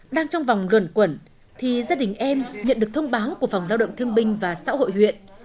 đang trong vòng luẩn quẩn thì gia đình em nhận được thông báo của phòng lao động thương binh và xã hội huyện